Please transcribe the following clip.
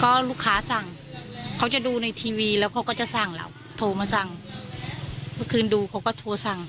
ก็ลูกค้าสั่งเขาจะดูในทีวีแล้วเขาก็จะสั่งเราโทรมาสั่งเมื่อคืนดูเขาก็โทรสั่ง